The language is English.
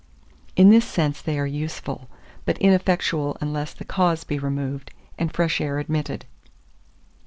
In this sense they are useful, but ineffectual unless the cause be removed, and fresh air admitted.